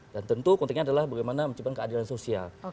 dan tentu kepentingannya adalah bagaimana menciptakan keadilan sosial